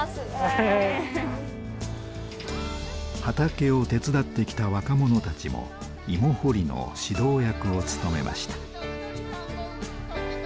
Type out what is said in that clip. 畑を手伝ってきた若者たちも芋掘りの指導役を務めました。